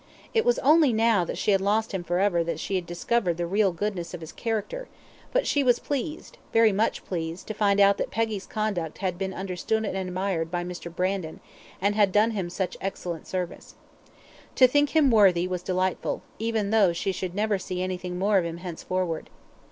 It was only now that she had lost him for ever that she had discovered the real goodness of his character; but she was pleased, very much pleased to find out that Peggy's conduct had been understood and admired by Mr. Brandon, and had done him such excellent service. To think him worthy was delightful, even though she should never see anything more of him henceforward.